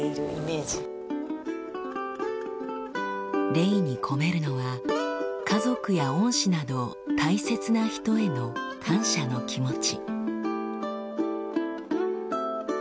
レイに込めるのは家族や恩師など大切な人への感謝の気持ち。